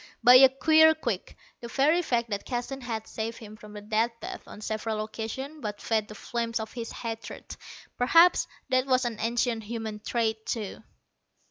By a queer quirk, the very fact that Keston had saved him from the Death Bath on several occasions but fed the flames of his hatred. Perhaps that was an ancient human trait, too.